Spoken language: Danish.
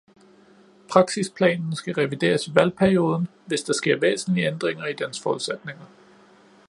Praksisplanen skal revideres i valgperioden, hvis der sker væsentlige ændringer i dens forudsætninger